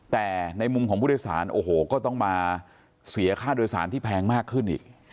แต่ในมุมของผู้โดยสารโอ้โหก็ต้องมาเสียค่าโดยสารที่แพงมากขึ้นอีก